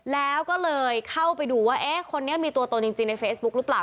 แล้วก็เลยเข้าไปดูว่าเอ๊ะคนนี้มีตัวตนจริงในเฟซบุ๊คหรือเปล่า